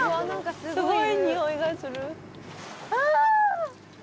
すごいにおいがするああっ！